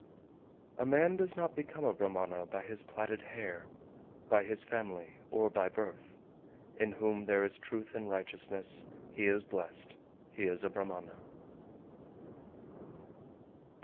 393. A man does not become a Brahmana by his platted hair, by his family, or by birth; in whom there is truth and righteousness, he is blessed, he is a Brahmana.